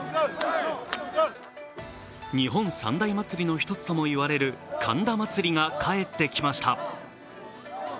日本三大祭りの一つとも言われる神田祭が帰ってきました。